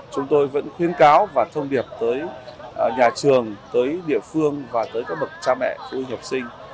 chúng tôi vẫn khuyến cáo và thông điệp tới nhà trường tới địa phương và tới các bậc cha mẹ phụ huynh học sinh